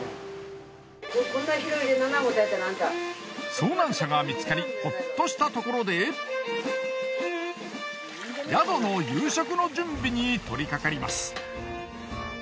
遭難者が見つかりほっとしたところで宿の夕食の準備に取りかかります。